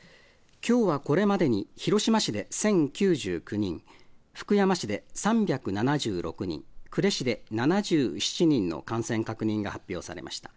きょうは、これまでに広島市で１０９９人、福山市で３７６人、呉市で７７人の感染確認が発表されました。